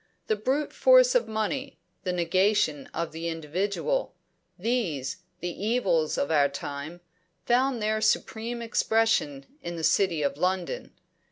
The brute force of money; the negation of the individual these, the evils of our time, found there supreme expression in the City of London.